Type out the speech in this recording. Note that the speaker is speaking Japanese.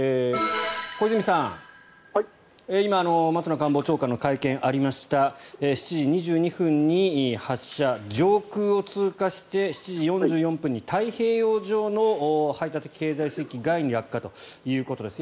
小泉さん、今松野官房長官の会見がありました７時２２分に発射上空を通過して７時４４分に太平洋上の排他的経済水域外に落下ということです。